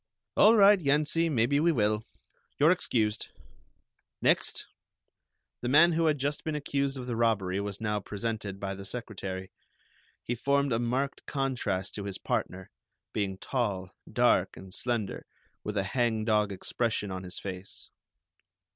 "All right, Yensie, maybe we will. You're excused. Next." The man who had just been accused of the robbery was now presented by the secretary. He formed a marked contrast to his partner, being tall, dark and slender, with a hangdog expression on his face.